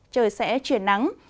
trời sẽ chuyển nắng